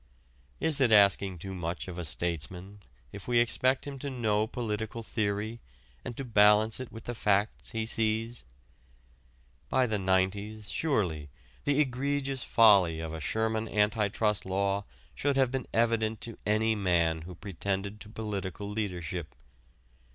Is it asking too much of a statesman if we expect him to know political theory and to balance it with the facts he sees? By the '90's surely, the egregious folly of a Sherman Anti Trust Law should have been evident to any man who pretended to political leadership.